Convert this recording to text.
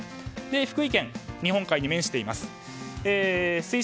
福井県は日本海に面しています。